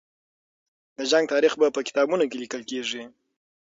د جنګ تاریخ به په کتابونو کې لیکل کېږي.